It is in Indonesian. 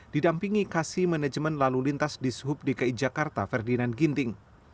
didampingi kasih manajemen lalu lintas di sub dki jakarta ferdinand ginting